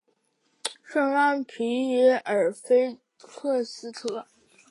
圣让皮耶尔菲克斯特。